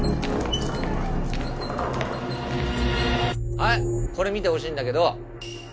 はいこれ見てほしいんだけど。